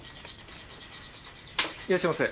いらっしゃいませ。